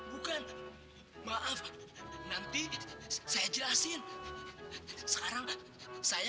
bukan maaf nanti saya jelasin sekarang saya